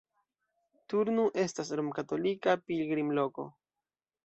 Turnu estas romkatolika pilgrimloko.